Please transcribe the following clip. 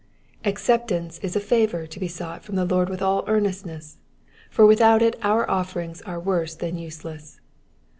Acceptance is a favour to be sought from the Lord with all earnestness, for without it our offerings are worse than useless.